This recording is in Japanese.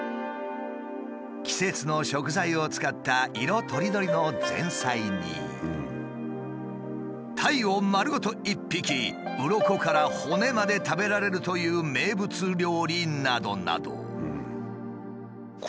季節の食材を使った色とりどりの前菜にタイを丸ごと一匹うろこから骨まで食べられるという名物料理などなど。